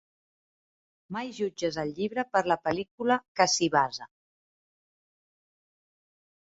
Mai jutges el llibre per la pel·lícula que s'hi basa.